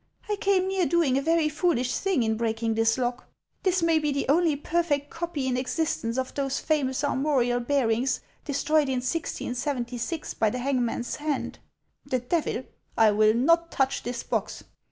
I came near doing a very foolish thing in breaking this lock. This may be the only perfect copy in existence of those famous armorial hearings destroyed in 1076 by the hangman's hand. The devil ! I will not touch this box.